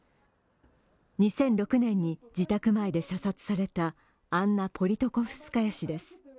２００６年に自宅前で射殺されたアンナ・ポリトコフスカヤ氏です。